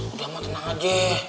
udah emak tenang aja